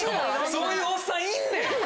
そういうおっさんいんねん！